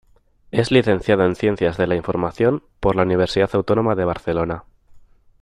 Es licenciado en Ciencias de la Información por la Universidad Autónoma de Barcelona.